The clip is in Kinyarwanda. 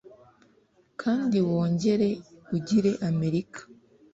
Kandi wongere ugire Amerika